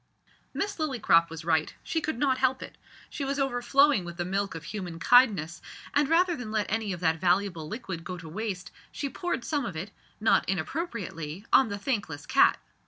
Miss Lillycrop was right, she could not help it. She was overflowing with the milk of human kindness, and, rather than let any of that valuable liquid go to waste, she poured some of it, not inappropriately, on the thankless cat.